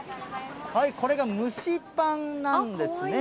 これが蒸しパンなんですね。